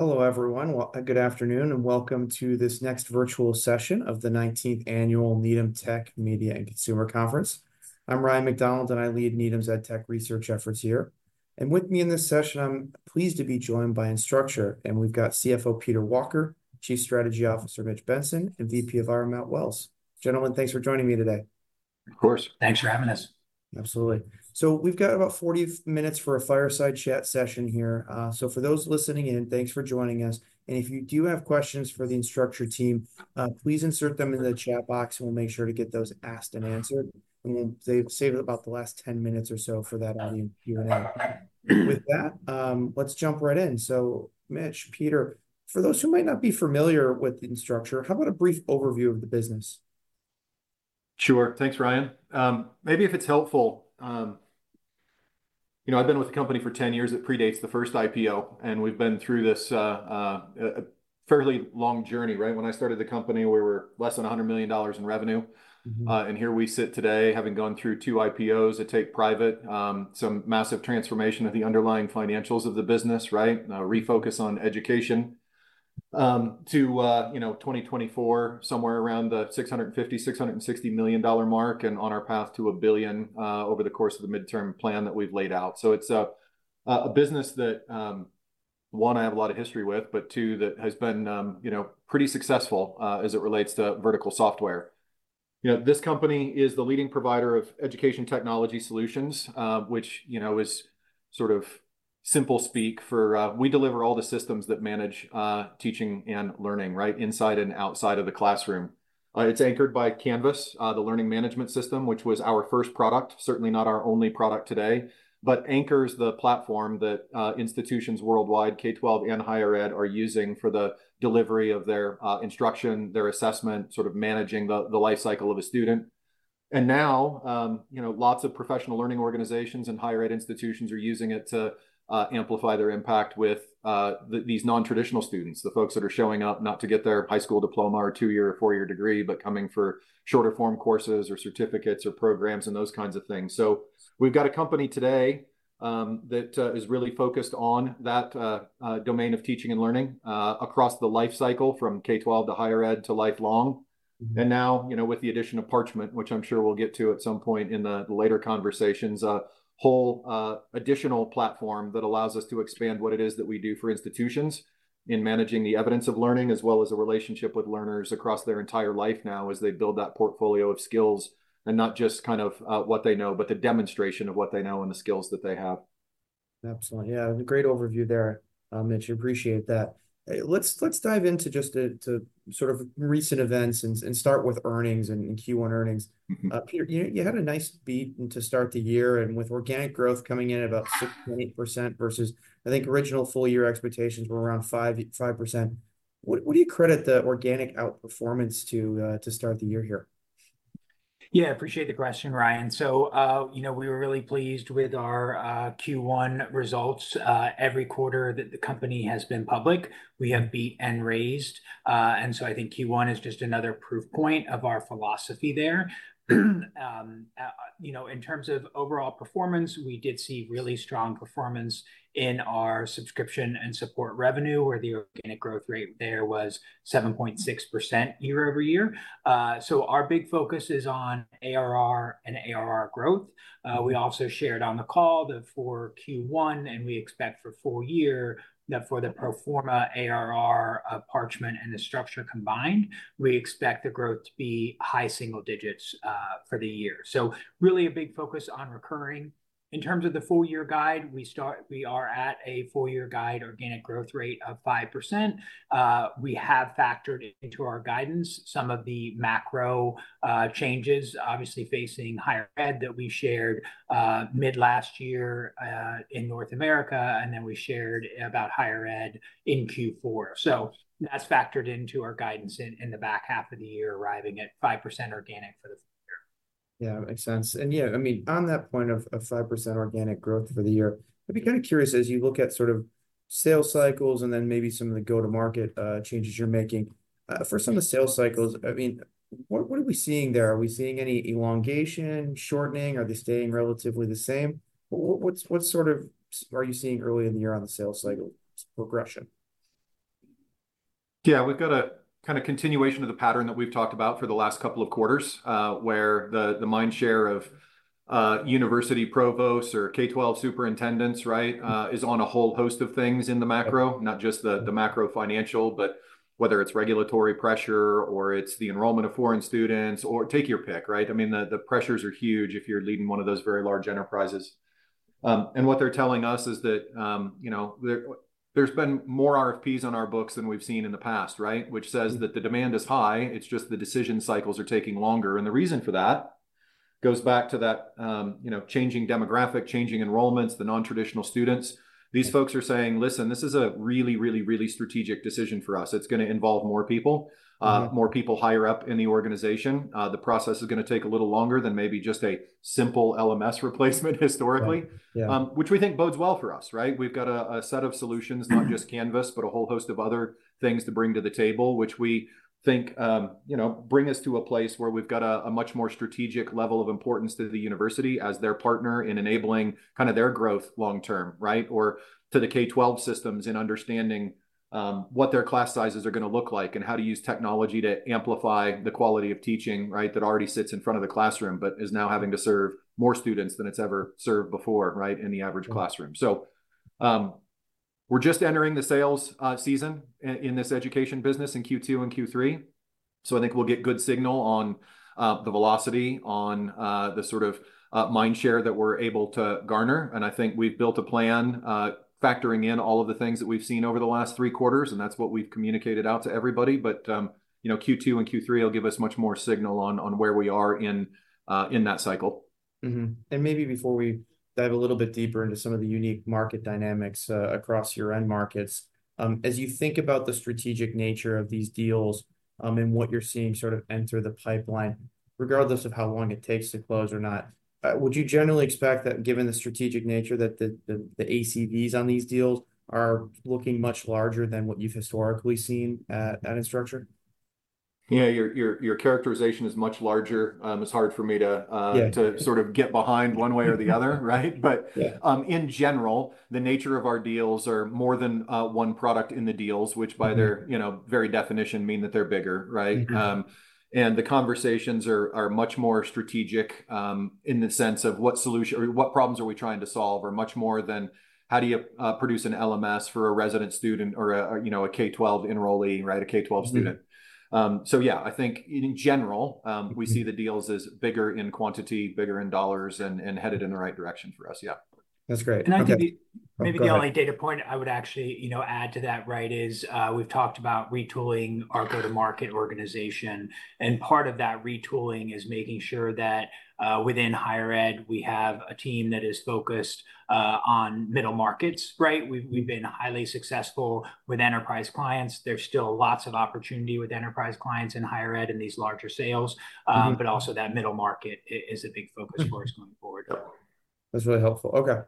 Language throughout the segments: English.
Hello, everyone. Good afternoon, and welcome to this next virtual session of the 19th Annual Needham Tech, Media, & Consumer Conference. I'm Ryan MacDonald, and I lead Needham's EdTech research efforts here. And with me in this session, I'm pleased to be joined by Instructure, and we've got CFO Peter Walker, Chief Strategy Officer Mitch Benson, and VP of IR Matt Wells. Gentlemen, thanks for joining me today. Of course. Thanks for having us. Absolutely. So we've got about 40 minutes for a fireside chat session here. So for those listening in, thanks for joining us, and if you do have questions for the Instructure team, please insert them in the chat box, and we'll make sure to get those asked and answered. And we'll save it about the last 10 minutes or so for that audience Q&A. With that, let's jump right in. So Mitch, Peter, for those who might not be familiar with Instructure, how about a brief overview of the business? Sure. Thanks, Ryan. Maybe if it's helpful, you know, I've been with the company for 10 years. It predates the first IPO, and we've been through this, a fairly long journey, right? When I started the company, we were less than $100 million in revenue. Mm-hmm. And here we sit today, having gone through two IPOs, a take private, some massive transformation of the underlying financials of the business, right? Refocus on education, to, you know, 2024, somewhere around the $650 million-$660 million mark, and on our path to $1 billion, over the course of the midterm plan that we've laid out. So it's a business that, one, I have a lot of history with, but two, that has been, you know, pretty successful, as it relates to vertical software. You know, this company is the leading provider of education technology solutions, which, you know, is sort of simple speak for... We deliver all the systems that manage teaching and learning, right, inside and outside of the classroom. It's anchored by Canvas, the learning management system, which was our first product, certainly not our only product today, but anchors the platform that institutions worldwide, K-12 and higher ed, are using for the delivery of their instruction, their assessment, sort of managing the life cycle of a student. And now, you know, lots of professional learning organizations and higher ed institutions are using it to amplify their impact with these non-traditional students, the folks that are showing up not to get their high school diploma or two-year or four-year degree, but coming for shorter-form courses or certificates or programs, and those kinds of things. So we've got a company today that is really focused on that domain of teaching and learning across the life cycle from K-12 to higher ed to lifelong. Mm-hmm. And now, you know, with the addition of Parchment, which I'm sure we'll get to at some point in the later conversations, a whole additional platform that allows us to expand what it is that we do for institutions in managing the evidence of learning, as well as the relationship with learners across their entire life now as they build that portfolio of skills, and not just kind of what they know, but the demonstration of what they know and the skills that they have. Absolutely. Yeah, and a great overview there, Mitch. Appreciate that. Hey, let's dive into just to sort of recent events and start with earnings and Q1 earnings. Mm-hmm. Peter, you had a nice beat to start the year, and with organic growth coming in about 6.8% versus, I think, original full-year expectations were around 5%. What do you credit the organic outperformance to, to start the year here? Yeah, appreciate the question, Ryan. So, you know, we were really pleased with our Q1 results. Every quarter that the company has been public, we have beat and raised, and so I think Q1 is just another proof point of our philosophy there. You know, in terms of overall performance, we did see really strong performance in our subscription and support revenue, where the organic growth rate there was 7.6% year-over-year. So our big focus is on ARR and ARR growth. We also shared on the call that for Q1, and we expect for full year, that for the pro forma ARR of Parchment and Instructure combined, we expect the growth to be high single digits for the year. So really a big focus on recurring. In terms of the full-year guide, we are at a full-year guide organic growth rate of 5%. We have factored into our guidance some of the macro changes, obviously facing higher ed, that we shared mid last year in North America, and then we shared about higher ed in Q4. So that's factored into our guidance in the back half of the year, arriving at 5% organic for the full year. Yeah, makes sense. And yeah, I mean, on that point of 5% organic growth for the year, I'd be kind of curious, as you look at sort of sales cycles and then maybe some of the go-to-market changes you're making for some of the sales cycles, I mean, what are we seeing there? Are we seeing any elongation, shortening? Are they staying relatively the same? What's, what sort of are you seeing early in the year on the sales cycle progression? Yeah, we've got a kind of continuation of the pattern that we've talked about for the last couple of quarters, where the mindshare of university provosts or K-12 superintendents, right, is on a whole host of things in the macro, not just the macro financial, but whether it's regulatory pressure, or it's the enrollment of foreign students, or take your pick, right? I mean, the pressures are huge if you're leading one of those very large enterprises. And what they're telling us is that, you know, there's been more RFPs on our books than we've seen in the past, right? Which says that the demand is high, it's just the decision cycles are taking longer. And the reason for that goes back to that, you know, changing demographic, changing enrollments, the non-traditional students. These folks are saying, "Listen, this is a really, really, really strategic decision for us. It's gonna involve more people- Mm-hmm ... more people higher up in the organization. The process is gonna take a little longer than maybe just a simple LMS replacement historically- Yeah, yeah... which we think bodes well for us, right? We've got a set of solutions- Mm-hmm... not just Canvas, but a whole host of other things to bring to the table, which we think, you know, bring us to a place where we've got a much more strategic level of importance to the university as their partner in enabling kind of their growth long term, right? Or to the K-12 systems in understanding what their class sizes are gonna look like and how to use technology to amplify the quality of teaching, right, that already sits in front of the classroom, but is now having to serve more students than it's ever served before, right, in the average classroom. Yeah. So, we're just entering the sales season in this education business in Q2 and Q3, so I think we'll get good signal on the velocity on the sort of mind share that we're able to garner. And I think we've built a plan, factoring in all of the things that we've seen over the last three quarters, and that's what we've communicated out to everybody. But, you know, Q2 and Q3 will give us much more signal on where we are in that cycle. Mm-hmm. And maybe before we dive a little bit deeper into some of the unique market dynamics across your end markets, as you think about the strategic nature of these deals, and what you're seeing sort of enter the pipeline, regardless of how long it takes to close or not, would you generally expect that given the strategic nature, that the ACVs on these deals are looking much larger than what you've historically seen at Instructure? Yeah, your characterization is much larger. It's hard for me to Yeah... to sort of get behind one way or the other, right? Yeah. But, in general, the nature of our deals are more than one product in the deals- Mm-hmm... which by their, you know, very definition mean that they're bigger, right? Mm-hmm. The conversations are much more strategic, in the sense of what solution- or what problems are we trying to solve, are much more than how do you produce an LMS for a resident student or a, you know, a K-12 enrollee, right? A K-12 student. Mm-hmm. So yeah, I think in general. Mm-hmm... we see the deals as bigger in quantity, bigger in dollars, and headed in the right direction for us. Yeah. That's great. Okay. And I think the- Oh, go ahead.... maybe the only data point I would actually, you know, add to that, right, is, we've talked about retooling our go-to-market organization, and part of that retooling is making sure that, within higher ed, we have a team that is focused, on middle markets, right? We've been highly successful with enterprise clients. There's still lots of opportunity with enterprise clients in higher ed in these larger sales. Mm-hmm. But also that middle market is a big focus for us going forward. That's really helpful. Okay.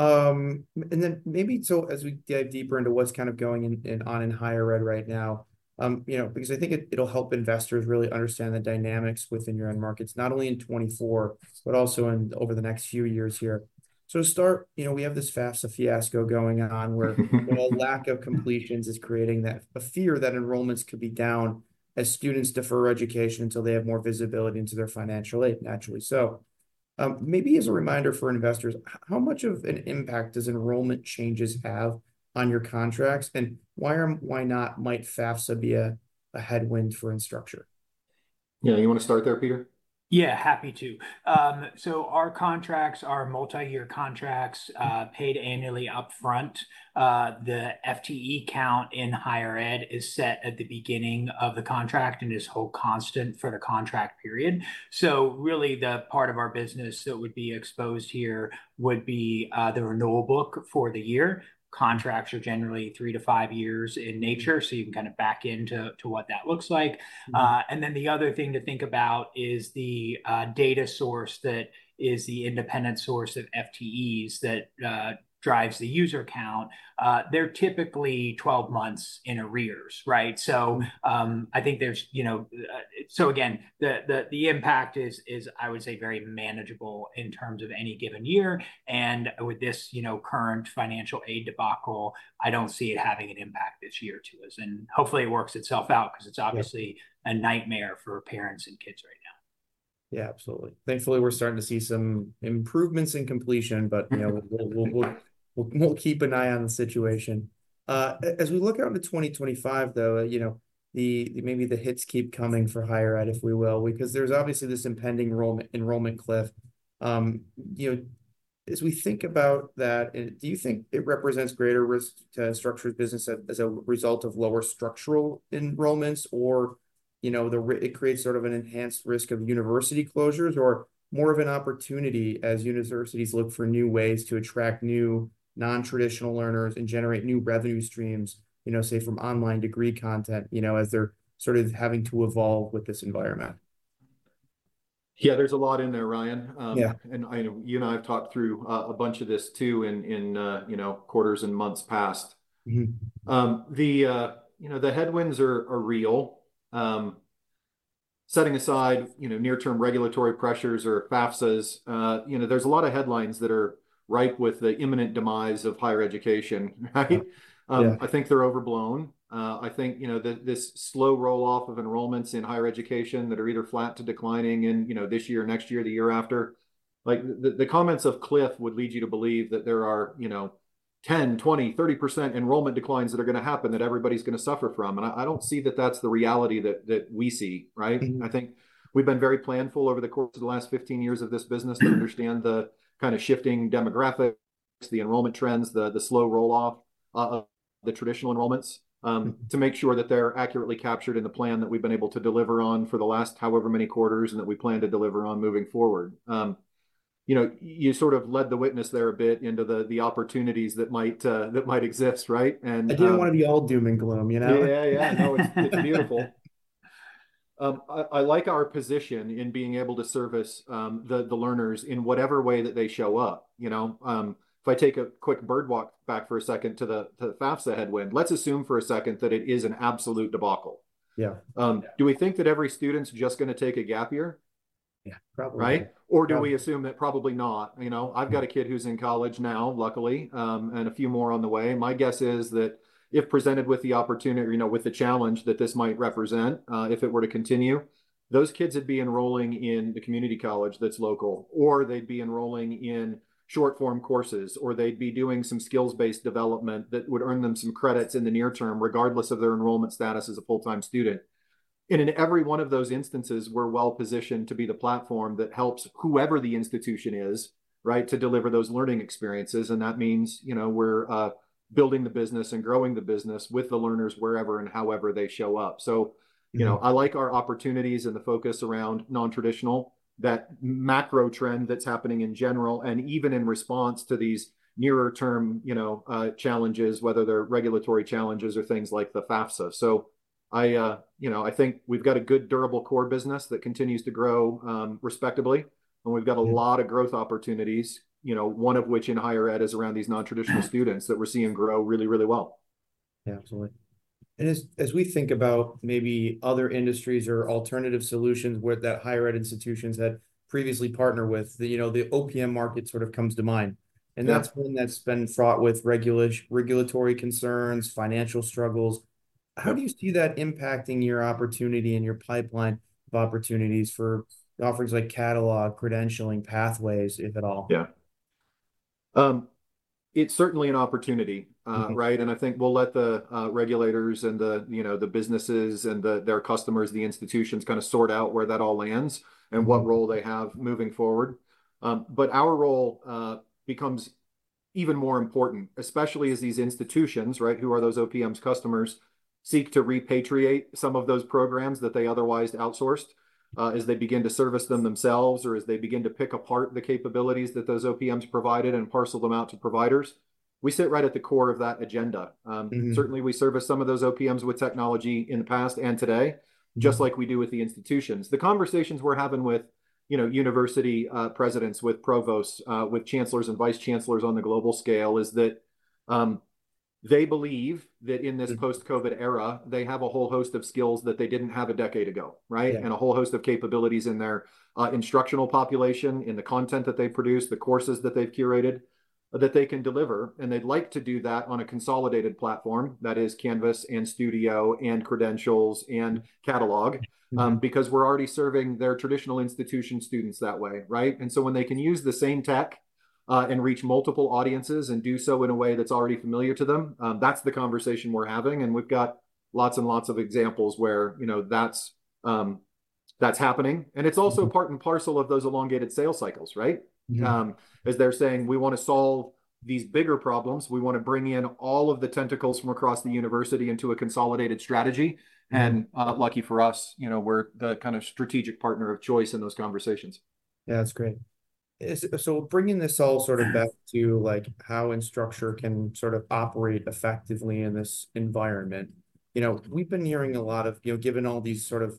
And then maybe so as we dive deeper into what's kind of going on in higher ed right now, you know, because I think it'll help investors really understand the dynamics within your end markets, not only in 2024, but also over the next few years here. So to start, you know, we have this FAFSA fiasco going on where a lack of completions is creating that, a fear that enrollments could be down as students defer education until they have more visibility into their financial aid, naturally. So, maybe as a reminder for investors, how much of an impact does enrollment changes have on your contracts, and why or why not might FAFSA be a headwind for Instructure? Yeah, you wanna start there, Peter? Yeah, happy to. So our contracts are multi-year contracts, paid annually upfront. The FTE count in higher ed is set at the beginning of the contract and is held constant for the contract period. So really, the part of our business that would be exposed here would be the renewal book for the year. Contracts are generally three-five years in nature, so you can kind of back into what that looks like. Mm-hmm. And then the other thing to think about is the data source that is the independent source of FTEs that drives the user count. They're typically 12 months in arrears, right? Mm-hmm. So, I think there's, you know... So again, the impact is, I would say, very manageable in terms of any given year, and with this, you know, current financial aid debacle, I don't see it having an impact this year to us. And hopefully, it works itself out, 'cause it's- Yeah... obviously a nightmare for parents and kids right now. Yeah, absolutely. Thankfully, we're starting to see some improvements in completion, but, you know- Yeah... we'll keep an eye on the situation. As we look out into 2025, though, you know, maybe the hits keep coming for higher ed, if we will, because there's obviously this impending enrollment cliff. You know, as we think about that, and do you think it represents greater risk to Instructure's business as a result of lower structural enrollments? Or, you know, it creates sort of an enhanced risk of university closures, or more of an opportunity as universities look for new ways to attract new non-traditional learners and generate new revenue streams, you know, say, from online degree content, you know, as they're sort of having to evolve with this environment? Yeah, there's a lot in there, Ryan. Yeah. And you and I have talked through a bunch of this too, in you know, quarters and months past. Mm-hmm. You know, the headwinds are real. Setting aside, you know, near-term regulatory pressures or FAFSAs, you know, there's a lot of headlines that are ripe with the imminent demise of higher education, right? Yeah. I think they're overblown. I think, you know, the this slow roll-off of enrollments in higher education that are either flat to declining in, you know, this year, or next year, or the year after, like, the comments of Cliff would lead you to believe that there are, you know, 10%, 20%, 30% enrollment declines that are gonna happen, that everybody's gonna suffer from, and I don't see that that's the reality that we see, right? Mm-hmm. I think we've been very planful over the course of the last 15 years of this business- Mm... to understand the kind of shifting demographics, the enrollment trends, the slow roll-off of the traditional enrollments- Mm... to make sure that they're accurately captured in the plan that we've been able to deliver on for the last however many quarters, and that we plan to deliver on moving forward. You know, you sort of led the witness there a bit into the opportunities that might, that might exist, right? And, I didn't want to be all doom and gloom, you know? Yeah. Yeah, yeah. No, it's beautiful. I like our position in being able to service the learners in whatever way that they show up, you know. If I take a quick bird walk back for a second to the FAFSA headwind, let's assume for a second that it is an absolute debacle. Yeah. Do we think that every student's just gonna take a gap year?... yeah, probably. Right? Or do we assume that probably not, you know? Yeah. I've got a kid who's in college now, luckily, and a few more on the way. My guess is that if presented with the opportunity, you know, with the challenge that this might represent, if it were to continue, those kids would be enrolling in the community college that's local, or they'd be enrolling in short-form courses, or they'd be doing some skills-based development that would earn them some credits in the near term, regardless of their enrollment status as a full-time student. And in every one of those instances, we're well-positioned to be the platform that helps whoever the institution is, right, to deliver those learning experiences, and that means, you know, we're building the business and growing the business with the learners wherever and however they show up. Yeah. So, you know, I like our opportunities and the focus around non-traditional, that macro trend that's happening in general, and even in response to these nearer-term, you know, challenges, whether they're regulatory challenges or things like the FAFSA. So I, you know, I think we've got a good, durable core business that continues to grow, respectably. Yeah. We've got a lot of growth opportunities, you know, one of which in higher ed is around these non-traditional students- Yeah... that we're seeing grow really, really well. Yeah, absolutely. And as we think about maybe other industries or alternative solutions where higher ed institutions had previously partnered with, you know, the OPM market sort of comes to mind. Yeah. That's one that's been fraught with regulatory concerns, financial struggles. How do you see that impacting your opportunity and your pipeline of opportunities for offerings like Catalog, credentialing, Pathways, if at all? Yeah. It's certainly an opportunity. Mm-hmm. Right, and I think we'll let the regulators and the, you know, the businesses and the, their customers, the institutions, kind of sort out where that all lands- Mm... and what role they have moving forward. But our role becomes even more important, especially as these institutions, right, who are those OPMs customers, seek to repatriate some of those programs that they otherwise outsourced, as they begin to service them themselves, or as they begin to pick apart the capabilities that those OPMs provided and parcel them out to providers. We sit right at the core of that agenda. Mm-hmm. Certainly, we service some of those OPMs with technology in the past and today- Mm... just like we do with the institutions. The conversations we're having with, you know, university presidents, with provosts, with chancellors and vice chancellors on the global scale, is that, they believe that in this- Mm... post-COVID era, they have a whole host of skills that they didn't have a decade ago, right? Yeah. A whole host of capabilities in their instructional population, in the content that they produce, the courses that they've curated, that they can deliver, and they'd like to do that on a consolidated platform, that is Canvas, and Studio, and Credentials, and Catalog- Mm... because we're already serving their traditional institution students that way, right? And so when they can use the same tech, and reach multiple audiences, and do so in a way that's already familiar to them, that's the conversation we're having, and we've got lots and lots of examples where, you know, that's happening. And it's also- Mm... part and parcel of those elongated sales cycles, right? Mm-hmm. As they're saying, "We wanna solve these bigger problems. We want to bring in all of the tentacles from across the university into a consolidated strategy. Mm. Lucky for us, you know, we're the kind of strategic partner of choice in those conversations. Yeah, that's great. So bringing this all sort of- Yeah... back to, like, how Instructure can sort of operate effectively in this environment, you know, we've been hearing a lot of... You know, given all these sort of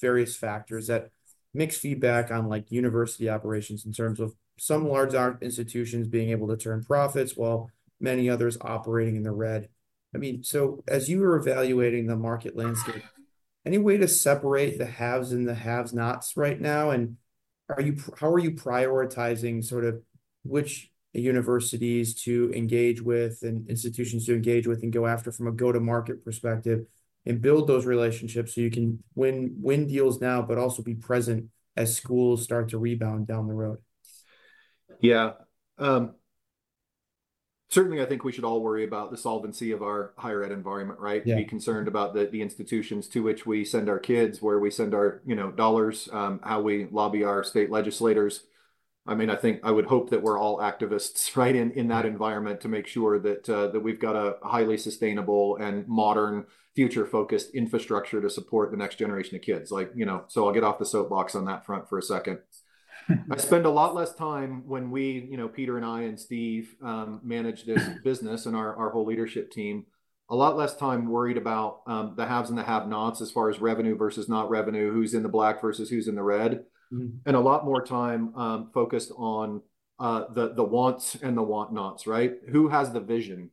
various factors, that mixed feedback on, like, university operations in terms of some large art institutions being able to turn profits, while many others operating in the red. I mean, so as you were evaluating the market landscape, any way to separate the haves and the have-nots right now? And how are you prioritizing sort of which universities to engage with and institutions to engage with and go after from a go-to-market perspective, and build those relationships so you can win, win deals now, but also be present as schools start to rebound down the road? Yeah. Certainly, I think we should all worry about the solvency of our higher ed environment, right? Yeah. Be concerned about the institutions to which we send our kids, where we send our, you know, dollars, how we lobby our state legislators. I mean, I think, I would hope that we're all activists, right, in that environment to make sure that we've got a highly sustainable and modern, future-focused infrastructure to support the next generation of kids. Like, you know, so I'll get off the soapbox on that front for a second. I spend a lot less time when we, you know, Peter and I, and Steve, manage this business, and our whole leadership team, a lot less time worried about the haves and the have-nots as far as revenue versus not revenue, who's in the black versus who's in the red- Mm... and a lot more time focused on the wants and the want-nots, right? Who has the vision?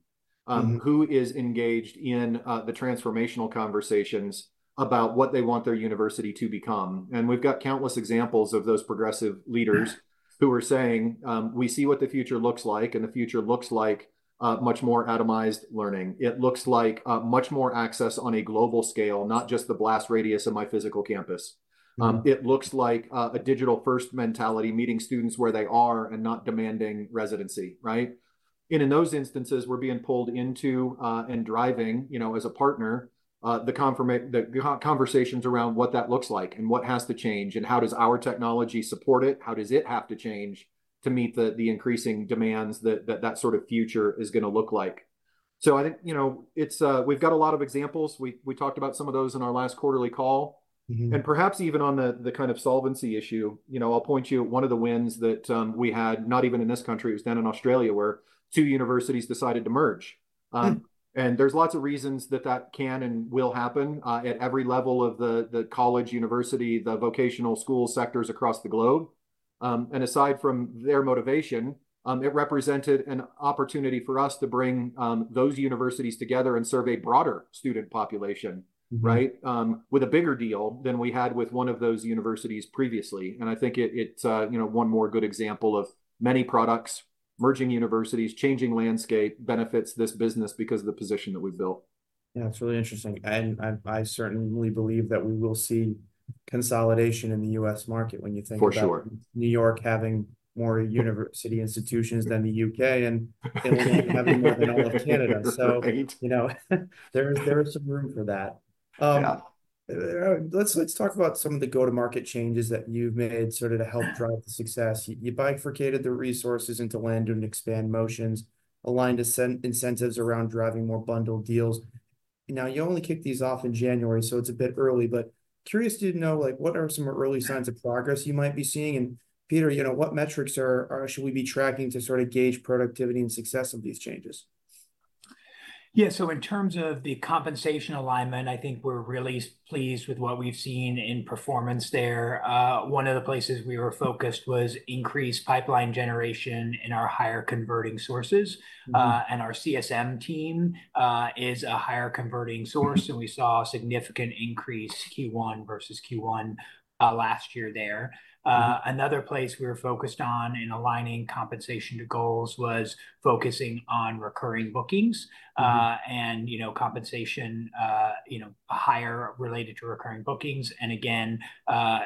Mm-hmm. Who is engaged in the transformational conversations about what they want their university to become? And we've got countless examples of those progressive leaders- Yeah... who are saying, "We see what the future looks like, and the future looks like much more atomized learning. It looks like much more access on a global scale, not just the blast radius of my physical campus. Mm. It looks like a digital-first mentality, meeting students where they are and not demanding residency, right? And in those instances, we're being pulled into and driving, you know, as a partner, the conversations around what that looks like, and what has to change, and how does our technology support it, how does it have to change to meet the increasing demands that that sort of future is gonna look like? So I think, you know, it's. We've got a lot of examples. We talked about some of those in our last quarterly call. Mm-hmm. Perhaps even on the kind of solvency issue, you know, I'll point you at one of the wins that we had, not even in this country. It was down in Australia, where two universities decided to merge. Mm. There's lots of reasons that can and will happen at every level of the college, university, the vocational school sectors across the globe... and aside from their motivation, it represented an opportunity for us to bring those universities together and serve a broader student population- Mm-hmm. Right? With a bigger deal than we had with one of those universities previously. And I think it, you know, one more good example of many products, merging universities, changing landscape, benefits this business because of the position that we've built. Yeah, it's really interesting, and I certainly believe that we will see consolidation in the U.S. market when you think about- For sure... New York having more university institutions than the U.K., and they will have more than all of Canada. Right. You know, there is some room for that. Yeah. Let's talk about some of the go-to-market changes that you've made sort of to help- Yeah... drive the success. You bifurcated the resources into land and expand motions, aligned incentives around driving more bundled deals. Now, you only kicked these off in January, so it's a bit early, but curious to know, like, what are some early signs of progress you might be seeing? And Peter, you know, what metrics should we be tracking to sort of gauge productivity and success of these changes? Yeah, so in terms of the compensation alignment, I think we're really pleased with what we've seen in performance there. One of the places we were focused was increased pipeline generation in our higher converting sources. Mm-hmm. Our CSM team is a higher converting source, and we saw a significant increase Q1 versus Q1 last year there. Mm-hmm. Another place we were focused on in aligning compensation to goals was focusing on recurring bookings. Mm-hmm. You know, compensation, you know, higher related to recurring bookings, and again,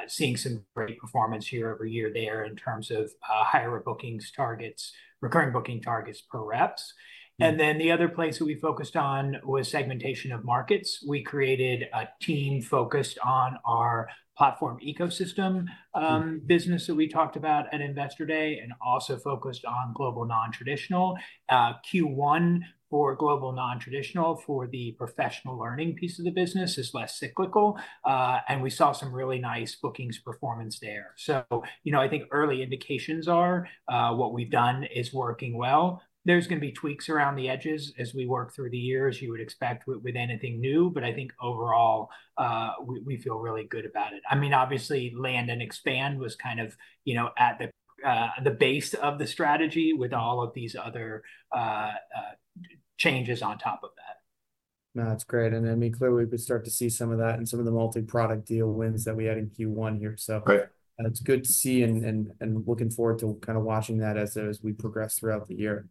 seeing some great performance year-over-year there in terms of higher bookings targets, recurring booking targets per reps. Mm-hmm. And then the other place that we focused on was segmentation of markets. We created a team focused on our platform ecosystem- Mm-hmm... business that we talked about at Investor Day, and also focused on global non-traditional. Q1 for global non-traditional for the professional learning piece of the business is less cyclical, and we saw some really nice bookings performance there. So, you know, I think early indications are what we've done is working well. There's gonna be tweaks around the edges as we work through the year, as you would expect with anything new, but I think overall, we feel really good about it. I mean, obviously, land and expand was kind of, you know, at the base of the strategy with all of these other changes on top of that. No, that's great, and I mean, clearly we could start to see some of that and some of the multi-product deal wins that we had in Q1 here, so- Right... and it's good to see, and looking forward to kind of watching that as we progress throughout the year.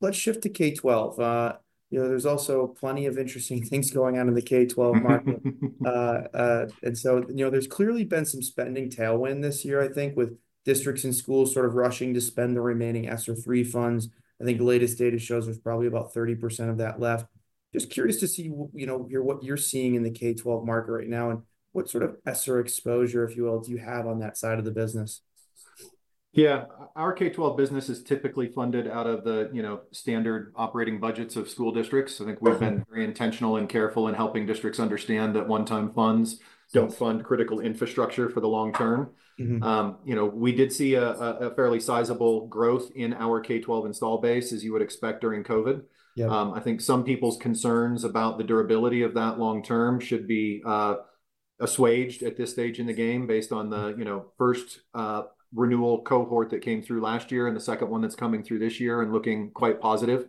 Let's shift to K-12. You know, there's also plenty of interesting things going on in the K-12 market. And so, you know, there's clearly been some spending tailwind this year, I think, with districts and schools sort of rushing to spend the remaining ESSER III funds. I think the latest data shows there's probably about 30% of that left. Just curious to see, you know, hear what you're seeing in the K-12 market right now, and what sort of ESSER exposure, if you will, do you have on that side of the business? Yeah. Our K-12 business is typically funded out of the, you know, standard operating budgets of school districts. Okay. I think we've been very intentional and careful in helping districts understand that one-time funds. Yeah... don't fund critical infrastructure for the long term. Mm-hmm. You know, we did see a fairly sizable growth in our K-12 install base, as you would expect during COVID. Yeah. I think some people's concerns about the durability of that long term should be assuaged at this stage in the game based on the, you know, first renewal cohort that came through last year, and the second one that's coming through this year and looking quite positive.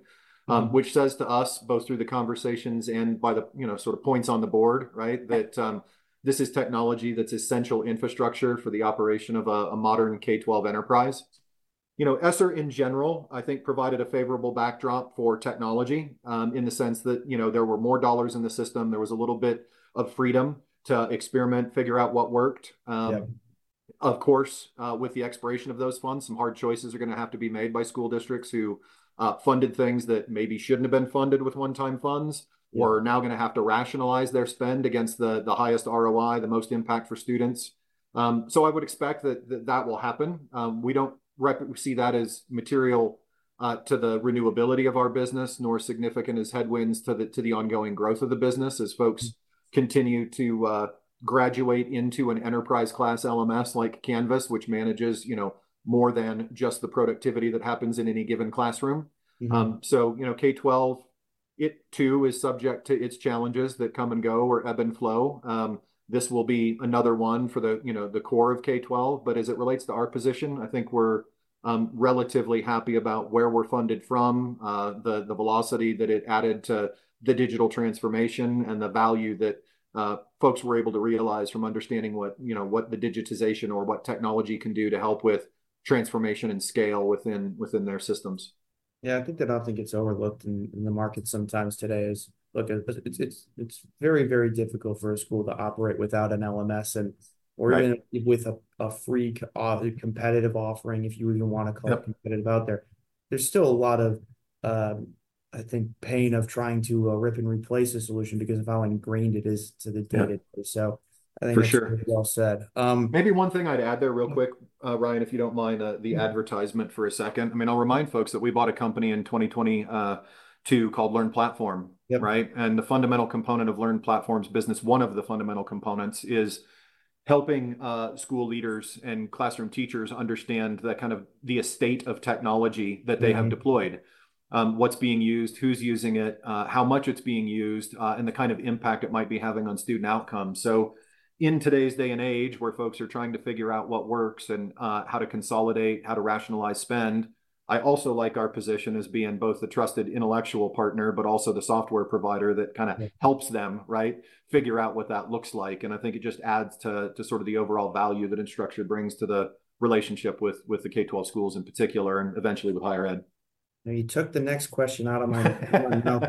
Mm-hmm. Which says to us, both through the conversations and by the, you know, sort of points on the board, right? Yeah. This is technology that's essential infrastructure for the operation of a modern K-12 enterprise. You know, ESSER, in general, I think provided a favorable backdrop for technology, in the sense that, you know, there were more dollars in the system, there was a little bit of freedom to experiment, figure out what worked. Yeah. Of course, with the expiration of those funds, some hard choices are gonna have to be made by school districts who, funded things that maybe shouldn't have been funded with one-time funds- Yeah... who are now gonna have to rationalize their spend against the, the highest ROI, the most impact for students. So I would expect that, that will happen. We don't see that as material to the renewability of our business, nor significant as headwinds to the, to the ongoing growth of the business, as folks- Mm... continue to graduate into an enterprise-class LMS, like Canvas, which manages, you know, more than just the productivity that happens in any given classroom. Mm-hmm. So, you know, K-12, it too is subject to its challenges that come and go or ebb and flow. This will be another one for the, you know, the core of K-12, but as it relates to our position, I think we're relatively happy about where we're funded from, the velocity that it added to the digital transformation, and the value that folks were able to realize from understanding what, you know, what the digitization or what technology can do to help with transformation and scale within their systems. Yeah, I think that often gets overlooked in the market sometimes today is... Look, it's very, very difficult for a school to operate without an LMS, and- Right... or even with a free competitive offering, if you even want to call it- Yeah... competitive out there. There's still a lot of, I think, pain of trying to rip and replace a solution because of how ingrained it is to the data. Yeah. So I think- For sure... well said. Maybe one thing I'd add there real quick, Ryan, if you don't mind. Yeah... the advertisement for a second. I mean, I'll remind folks that we bought a company in 2020 called LearnPlatform. Yep. Right? And the fundamental component of LearnPlatform's business, one of the fundamental components, is helping school leaders and classroom teachers understand the kind of, the state of technology that they- Mm... have deployed, what's being used, who's using it, how much it's being used, and the kind of impact it might be having on student outcomes. So in today's day and age, where folks are trying to figure out what works and how to consolidate, how to rationalize spend-... I also like our position as being both the trusted intellectual partner, but also the software provider that kinda- Yeah helps them, right, figure out what that looks like. And I think it just adds to, to sort of the overall value that Instructure brings to the relationship with, with the K-12 schools in particular, and eventually with higher ed. Now, you took the next question out of my hand. So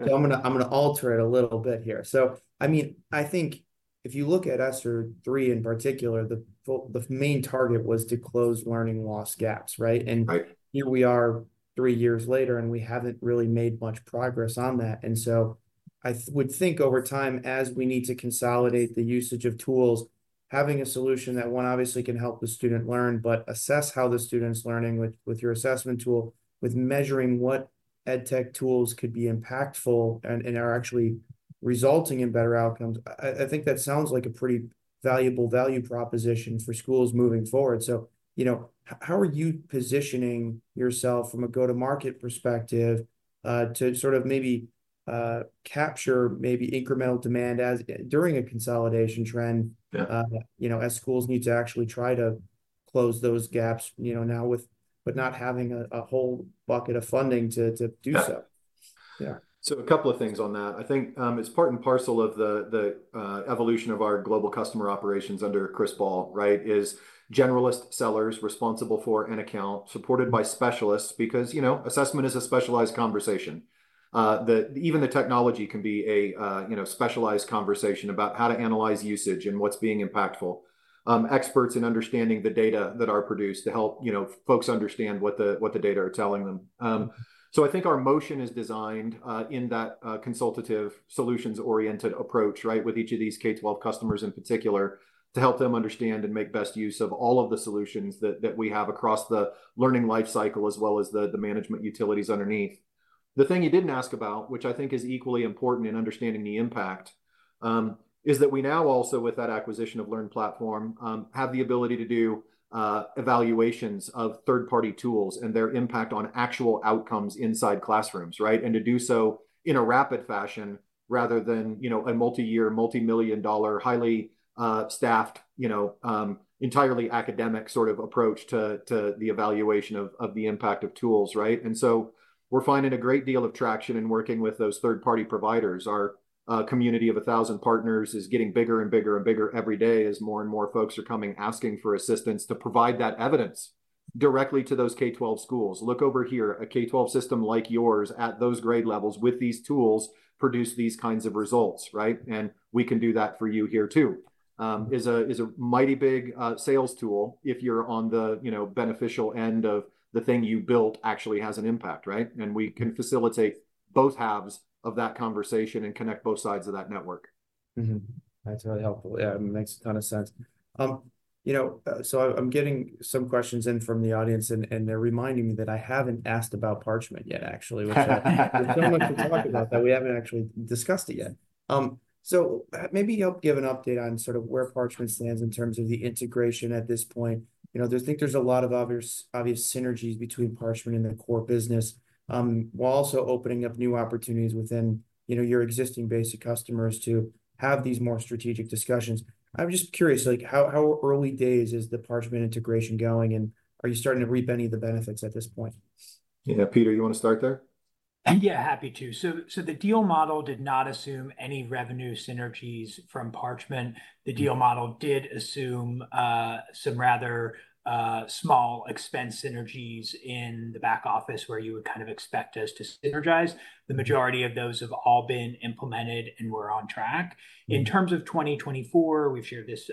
I'm gonna alter it a little bit here. So, I mean, I think if you look at ESSER III in particular, the main target was to close learning loss gaps, right? Right. And here we are three years later, and we haven't really made much progress on that. And so I would think over time, as we need to consolidate the usage of tools, having a solution that, one, obviously can help the student learn, but assess how the student's learning with, with your assessment tool, with measuring what EdTech tools could be impactful and, and are actually resulting in better outcomes, I, I think that sounds like a pretty valuable value proposition for schools moving forward. So, you know, how are you positioning yourself from a go-to-market perspective, to sort of maybe capture maybe incremental demand as during a consolidation trend- Yeah... you know, as schools need to actually try to close those gaps, you know, now, but not having a whole bucket of funding to do so? Yeah. Yeah. So a couple of things on that. I think, it's part and parcel of the evolution of our global customer operations under Chris Ball, right, is generalist sellers responsible for an account, supported by specialists. Because, you know, assessment is a specialized conversation. Even the technology can be a, you know, specialized conversation about how to analyze usage and what's being impactful. Experts in understanding the data that are produced to help, you know, folks understand what the data are telling them. So I think our motion is designed in that consultative, solutions-oriented approach, right, with each of these K-12 customers in particular, to help them understand and make best use of all of the solutions that we have across the learning life cycle, as well as the management utilities underneath. The thing you didn't ask about, which I think is equally important in understanding the impact, is that we now also, with that acquisition of LearnPlatform, have the ability to do evaluations of third-party tools and their impact on actual outcomes inside classrooms, right? And to do so in a rapid fashion rather than, you know, a multi-year, multi-million-dollar, highly staffed, you know, entirely academic sort of approach to the evaluation of the impact of tools, right? And so we're finding a great deal of traction in working with those third-party providers. Our community of 1,000 partners is getting bigger and bigger and bigger every day as more and more folks are coming, asking for assistance to provide that evidence directly to those K-12 schools. Look over here, a K-12 system like yours at those grade levels with these tools produce these kinds of results, right? And we can do that for you here, too," is a mighty big sales tool if you're on the, you know, beneficial end of the thing you built actually has an impact, right? And we can facilitate both halves of that conversation and connect both sides of that network. Mm-hmm. That's really helpful. Yeah, it makes a ton of sense. You know, so I'm getting some questions in from the audience, and they're reminding me that I haven't asked about Parchment yet, actually, which there's so much to talk about that we haven't actually discussed it yet. So, maybe help give an update on sort of where Parchment stands in terms of the integration at this point. You know, I think there's a lot of obvious synergies between Parchment and the core business, while also opening up new opportunities within, you know, your existing base of customers to have these more strategic discussions. I'm just curious, like, how early days is the Parchment integration going, and are you starting to reap any of the benefits at this point? Yeah. Peter, you wanna start there? Yeah, happy to. So, the deal model did not assume any revenue synergies from Parchment. The deal model did assume some rather small expense synergies in the back office where you would kind of expect us to synergize. The majority of those have all been implemented and we're on track. Mm. In terms of 2024, we've shared this,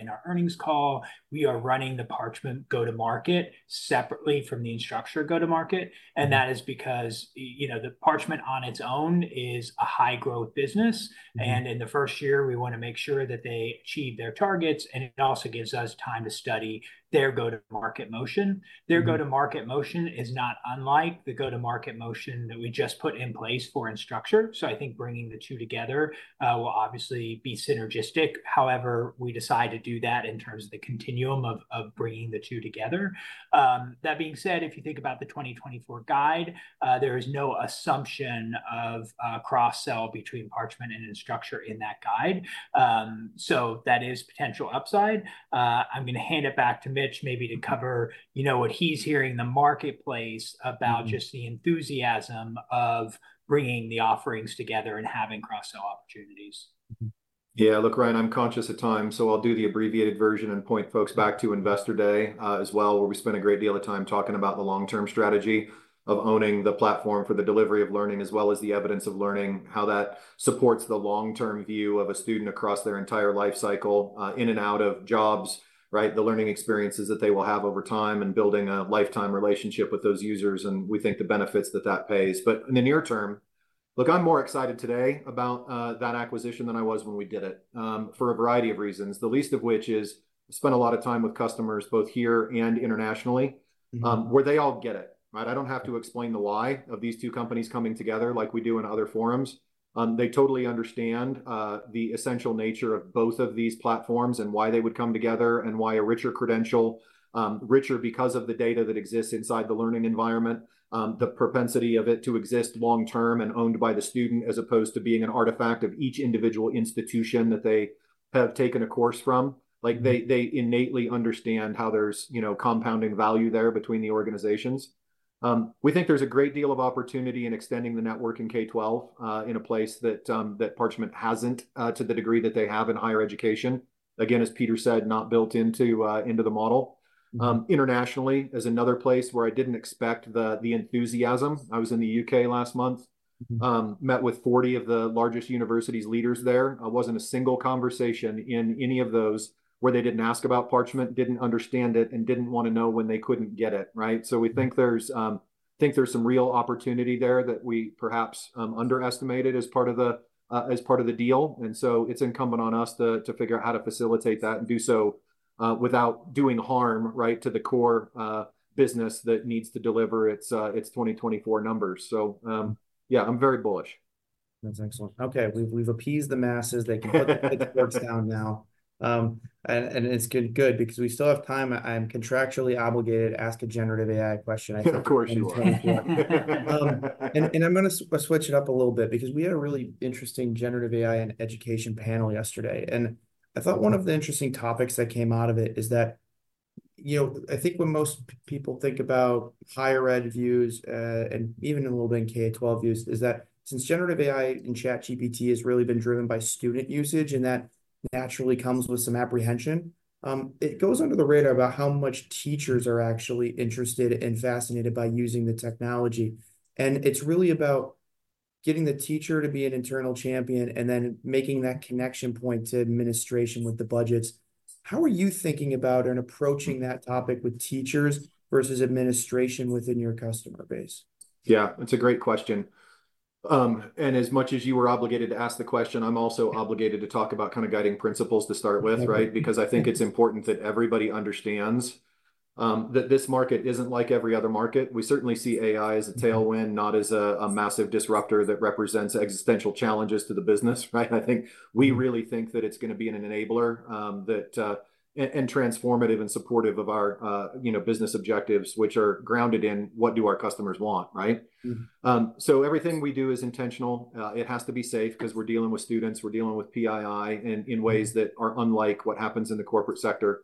in our earnings call, we are running the Parchment go-to-market separately from the Instructure go-to-market. Mm. That is because, you know, the Parchment on its own is a high-growth business. Mm. In the first year, we wanna make sure that they achieve their targets, and it also gives us time to study their go-to-market motion. Mm. Their go-to-market motion is not unlike the go-to-market motion that we just put in place for Instructure. So I think bringing the two together will obviously be synergistic, however we decide to do that in terms of the continuum of bringing the two together. That being said, if you think about the 2024 guide, there is no assumption of cross-sell between Parchment and Instructure in that guide. So that is potential upside. I'm gonna hand it back to Mitch, maybe to cover, you know, what he's hearing in the marketplace- Mm... about just the enthusiasm of bringing the offerings together and having cross-sell opportunities. Mm-hmm. Yeah, look, Ryan, I'm conscious of time, so I'll do the abbreviated version and point folks back to Investor Day, as well, where we spent a great deal of time talking about the long-term strategy of owning the platform for the delivery of learning, as well as the evidence of learning, how that supports the long-term view of a student across their entire life cycle, in and out of jobs, right, the learning experiences that they will have over time, and building a lifetime relationship with those users, and we think the benefits that that pays. But in the near term... Look, I'm more excited today about that acquisition than I was when we did it, for a variety of reasons, the least of which is, I've spent a lot of time with customers, both here and internationally- Mm... where they all get it, right? I don't have to explain the why of these two companies coming together like we do in other forums. They totally understand the essential nature of both of these platforms, and why they would come together, and why a richer credential, richer because of the data that exists inside the learning environment, the propensity of it to exist long term and owned by the student, as opposed to being an artifact of each individual institution that they have taken a course from. Mm. Like, they, they innately understand how there's, you know, compounding value there between the organizations. We think there's a great deal of opportunity in extending the network in K-12, in a place that, that Parchment hasn't, to the degree that they have in higher education. Again, as Peter said, not built into, into the model. Internationally is another place where I didn't expect the, the enthusiasm. I was in the U.K. last month. Mm-hmm. met with 40 of the largest universities' leaders there. Wasn't a single conversation in any of those where they didn't ask about Parchment, didn't understand it, and didn't wanna know when they couldn't get it, right? So we think there's some real opportunity there that we perhaps underestimated as part of the deal, and so it's incumbent on us to figure out how to facilitate that and do so without doing harm, right, to the core business that needs to deliver its 2024 numbers. So, yeah, I'm very bullish. That's excellent. Okay, we've appeased the masses. They can put their forks down now. And it's good because we still have time. I'm contractually obligated to ask a generative AI question. Of course you are. Yeah. And I'm gonna switch it up a little bit because we had a really interesting generative AI in education panel yesterday, and I thought one of the interesting topics that came out of it is that, you know, I think when most people think about higher ed views, and even a little bit in K-12 views, is that since generative AI and ChatGPT has really been driven by student usage, and that naturally comes with some apprehension, it goes under the radar about how much teachers are actually interested and fascinated by using the technology. And it's really about getting the teacher to be an internal champion, and then making that connection point to administration with the budgets. How are you thinking about and approaching that topic with teachers versus administration within your customer base? Yeah, it's a great question. And as much as you were obligated to ask the question, I'm also obligated to talk about kind of guiding principles to start with, right? Mm-hmm. Because I think it's important that everybody understands, that this market isn't like every other market. We certainly see AI as a tailwind, not as a massive disruptor that represents existential challenges to the business, right? I think we really think that it's gonna be an enabler, that and transformative and supportive of our, you know, business objectives, which are grounded in: What do our customers want, right? Mm-hmm. So everything we do is intentional. It has to be safe 'cause we're dealing with students, we're dealing with PII in ways that are unlike what happens in the corporate sector.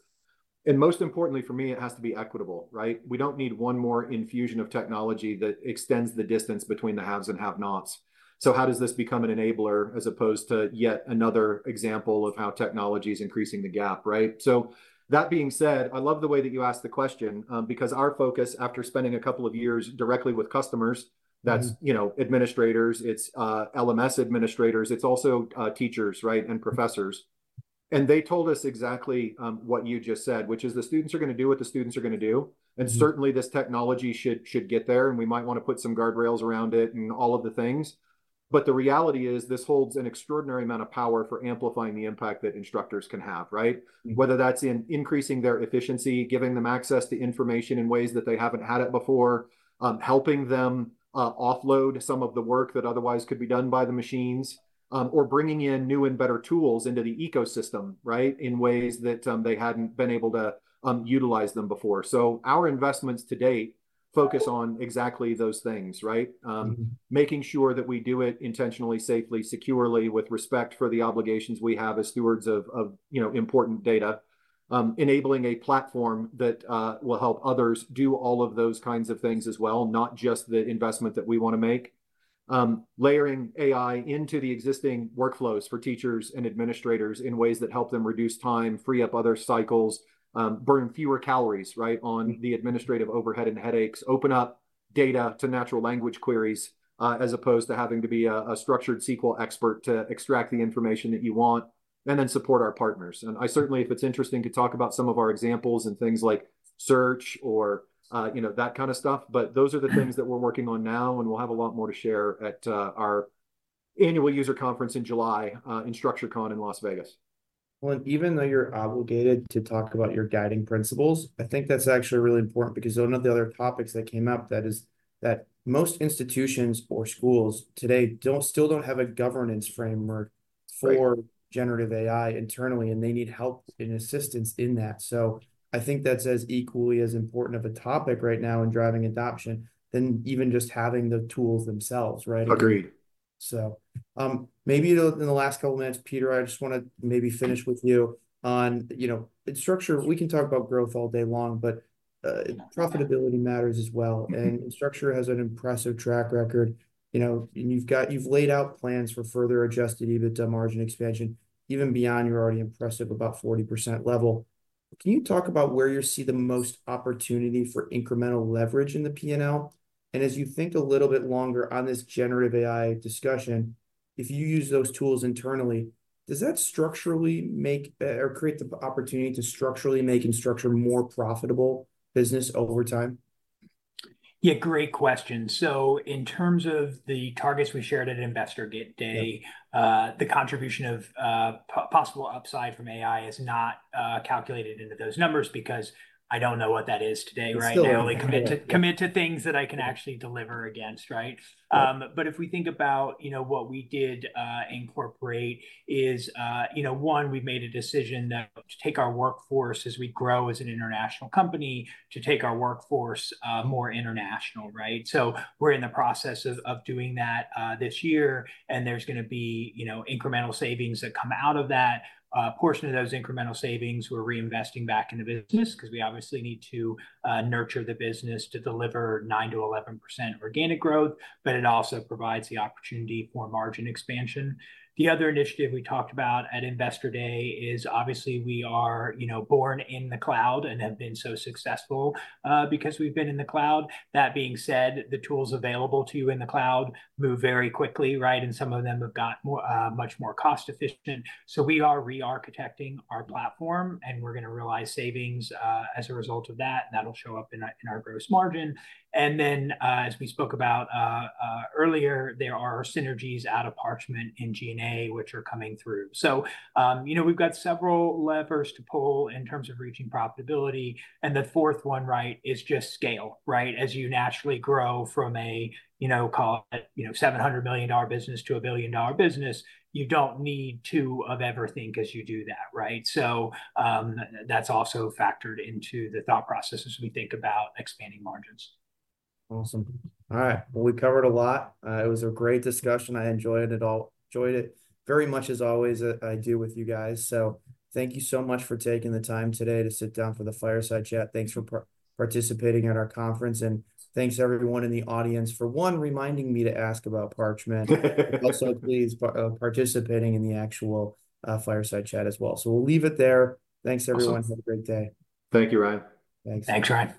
And most importantly, for me, it has to be equitable, right? We don't need one more infusion of technology that extends the distance between the haves and have-nots. So how does this become an enabler as opposed to yet another example of how technology's increasing the gap, right? So that being said, I love the way that you asked the question, because our focus, after spending a couple of years directly with customers- Mm-hmm.... that's, you know, administrators, it's LMS administrators, it's also teachers, right, and professors. And they told us exactly what you just said, which is the students are gonna do what the students are gonna do. Mm-hmm. Certainly, this technology should get there, and we might wanna put some guardrails around it and all of the things, but the reality is this holds an extraordinary amount of power for amplifying the impact that instructors can have, right? Mm-hmm. Whether that's in increasing their efficiency, giving them access to information in ways that they haven't had it before, helping them offload some of the work that otherwise could be done by the machines, or bringing in new and better tools into the ecosystem, right, in ways that they hadn't been able to utilize them before. So our investments to date focus on exactly those things, right? Mm-hmm. Making sure that we do it intentionally, safely, securely, with respect for the obligations we have as stewards of, you know, important data. Enabling a platform that will help others do all of those kinds of things as well, not just the investment that we wanna make. Layering AI into the existing workflows for teachers and administrators in ways that help them reduce time, free up other cycles, burn fewer calories, right, on the administrative overhead and headaches. Open up data to natural language queries, as opposed to having to be a structured SQL expert to extract the information that you want, and then support our partners. I certainly, if it's interesting, to talk about some of our examples and things like search or, you know, that kind of stuff, but those are the things that we're working on now, and we'll have a lot more to share at our annual user conference in July, InstructureCon in Las Vegas. Well, and even though you're obligated to talk about your guiding principles, I think that's actually really important, because one of the other topics that came up that is, that most institutions or schools today don't, still don't have a governance framework- Right... for generative AI internally, and they need help and assistance in that. So I think that's as equally as important of a topic right now in driving adoption than even just having the tools themselves, right? Agreed. So, maybe in the last couple minutes, Peter, I just wanna maybe finish with you on, you know, at Instructure, we can talk about growth all day long, but profitability matters as well. Mm-hmm. Instructure has an impressive track record, you know, and you've laid out plans for further adjusted EBITDA margin expansion, even beyond your already impressive, about 40% level. Can you talk about where you see the most opportunity for incremental leverage in the P&L? And as you think a little bit longer on this generative AI discussion, if you use those tools internally, does that structurally make, or create the opportunity to structurally make Instructure a more profitable business over time? Yeah, great question. So in terms of the targets we shared at Investor Day, the contribution of possible upside from AI is not calculated into those numbers because I don't know what that is today, right? Still, yeah. I only commit to things that I can actually deliver against, right? Yeah. But if we think about, you know, what we did, incorporate is, you know, one, we've made a decision to take our workforce as we grow as an international company, to take our workforce more international, right? So we're in the process of doing that this year, and there's gonna be, you know, incremental savings that come out of that. Portion of those incremental savings, we're reinvesting back into business, 'cause we obviously need to nurture the business to deliver 9%-11% organic growth, but it also provides the opportunity for margin expansion. The other initiative we talked about at Investor Day is obviously we are, you know, born in the cloud and have been so successful because we've been in the cloud. That being said, the tools available to you in the cloud move very quickly, right? Some of them have got more, much more cost-efficient, so we are re-architecting our platform, and we're gonna realize savings, as a result of that, and that'll show up in our, in our gross margin. Then, as we spoke about, earlier, there are synergies out of Parchment and G&A which are coming through. So, you know, we've got several levers to pull in terms of reaching profitability, and the fourth one, right, is just scale, right? As you naturally grow from a, you know, call it, $700 million business to a $1 billion business, you don't need two of everything as you do that, right? So, that's also factored into the thought process as we think about expanding margins. Awesome. All right, well, we've covered a lot. It was a great discussion. I enjoyed it all. Enjoyed it very much, as always, I do with you guys. So thank you so much for taking the time today to sit down for the Fireside Chat. Thanks for participating at our conference, and thanks to everyone in the audience for, one, reminding me to ask about Parchment, also, please, participating in the actual Fireside Chat as well. So we'll leave it there. Awesome. Thanks, everyone. Have a great day. Thank you, Ryan. Thanks. Thanks, Ryan.